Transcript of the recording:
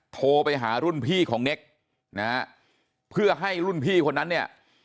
โทรไปหารุ่นพี่ของเน็กนะฮะเพื่อให้รุ่นพี่คนนั้นเนี่ย